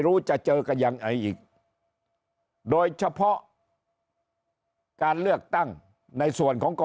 จะเจอกันยังไงอีกโดยเฉพาะการเลือกตั้งในส่วนของกร